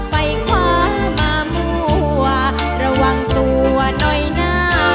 ไฟฟ้ามามั่วระวังตัวหน่อยนะ